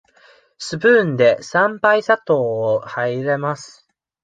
スプーンで三杯砂糖を入れます。